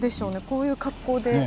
こういう格好で。